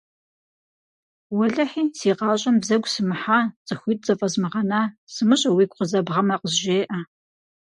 Уэлэхьи, си гъащӏэм бзэгу сымыхьа, цӏыхуитӏ зэфӏэзмыгъэна, сымыщӏэ, уигу къызэбгъэмэ, къызжеӏэ.